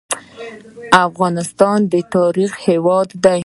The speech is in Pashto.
افغانستان د تاریخ هیواد دی